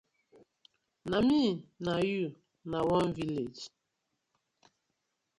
Na mi na yu na one village.